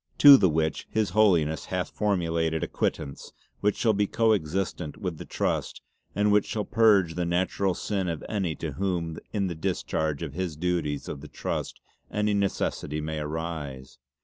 To the which His Holiness hath formulated a Quittance which shall be co existent with the Trust and which shall purge the natural sin of any to whom in the discharge of the duties of the Trust any necessity may arise.